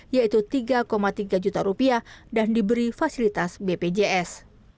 yaitu rp tiga tiga juta dan diberi fasilitas bpjs